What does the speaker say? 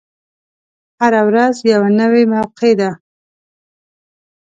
هره ورځ یوه نوی موقع ده.